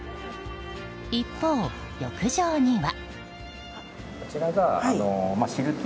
一方、浴場には。